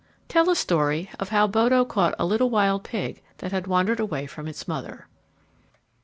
_ _Tell a story of how Bodo caught a little wild pig that had wandered away from its mother.